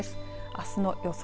あすの予想